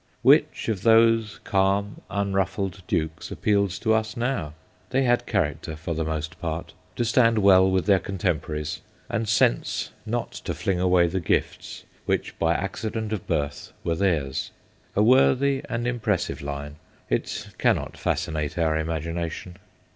Which of those calm, unruffled dukes appeals to us now? They had character, for the most part, to stand well with their contemporaries, and sense not to fling away the gifts which by accident of birth were theirs. A worthy and impressive line, it cannot fascinate our imagination.